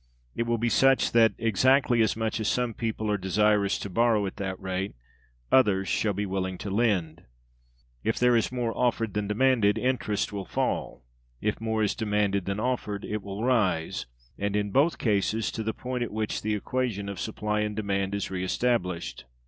It will be such that, exactly as much as some people are desirous to borrow at that rate, others shall be willing to lend. If there is more offered than demanded, interest will fall; if more is demanded than offered, it will rise; and in both cases, to the point at which the equation of supply and demand is re established.